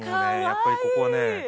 やっぱりここはね